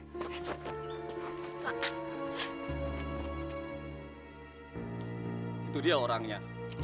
itu dia orangnya